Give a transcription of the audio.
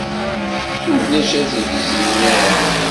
Ulac asegzi nniḍen